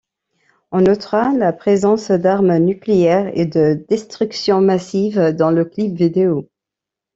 On notera la présence d'armes nucléaires et de destruction massive dans le clip vidéo.